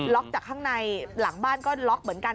จากข้างในหลังบ้านก็ล็อกเหมือนกัน